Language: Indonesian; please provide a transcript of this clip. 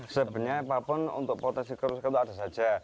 sebenarnya apapun untuk potensi kerusakan itu ada saja